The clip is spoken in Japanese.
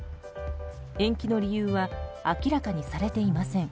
延期の理由は明らかにされていません。